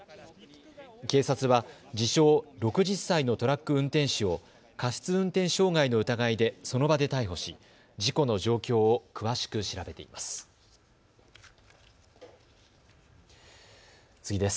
警察は自称、６０歳のトラック運転手を過失運転傷害の疑いでその場で逮捕し、事故の状況を詳しく調べています。